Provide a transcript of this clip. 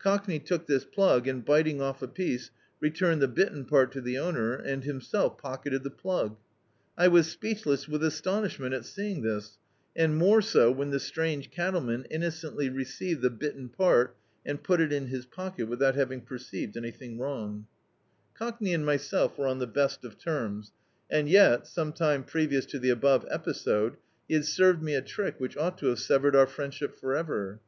Coclmey took this plug and, biting off a piece, returned the bitten part to the owner, and himself pocketed the plug. I was speechless with astonishment at seeing this; and more so when the strange cattleman innocently received the bitten part, and put it in his pocket without having perceived anything wrong. D,i.,.db, Google The Autobiography of a Super Tramp Cockney and myself were on the be^t of terms, and yet, some time previous to the above episode, he had served me a trick which ou^t to have severed our friendship for ever.